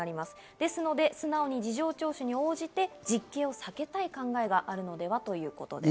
なので、素直に事情聴取に応じて実刑を避けたい考えがあるのではということです。